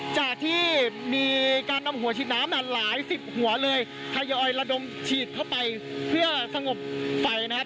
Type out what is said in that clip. จากที่มีการนำหัวฉีดน้ำหลายสิบหัวเลยทยอยระดมฉีดเข้าไปเพื่อสงบไฟนะครับ